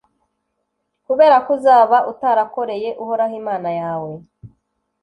kubera ko uzaba utarakoreye uhoraho imana yawe